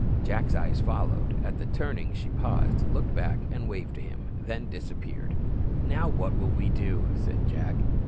Jack's eyes followed. At the turning, she paused, looked back, and waved to him, then disappeared. "Now what will we do?" said Jack.